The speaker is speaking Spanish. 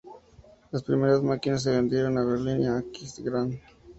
Las primeras máquinas se vendieron a Berlín y a Aquisgrán.